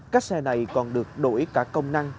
các xe này còn được đổi cả công năng